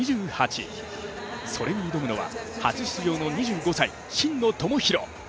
それに挑むのは、初出場の２５歳、真野友博。